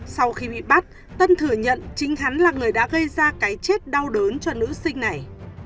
sau khi bị bắt tân thừa nhận chính hắn là người đã gây ra cái chết đau đớn cho nữ sinh này